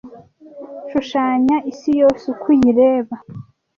shushanya isi yose uko uyireba